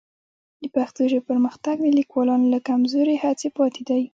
د پښتو ژبې پرمختګ د لیکوالانو له کمزورې هڅې پاتې دی.